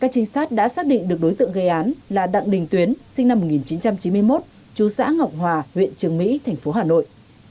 các trinh sát đã xác định được đối tượng gây án là đặng đình tuyến sinh năm một nghìn chín trăm chín mươi một chú xã ngọc hòa huyện trường mỹ thành phố hà nội